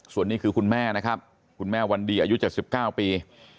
ส่วนนี้คือคุณแม่นะครับคุณแม่วันดีอายุ๗๙ปี